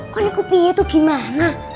kau ini kepih itu gimana